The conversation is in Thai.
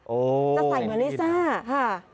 โอ้โฮจะใส่เหมือนลิซ่าฮะ